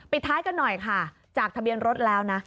ท้ายกันหน่อยค่ะจากทะเบียนรถแล้วนะ